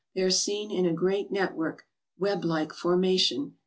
They are seen in a great net work, web like formation.